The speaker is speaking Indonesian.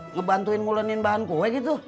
ngebantuin mulenin bahan kue gitu